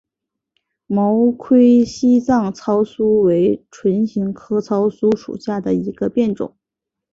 毛盔西藏糙苏为唇形科糙苏属下的一个变种。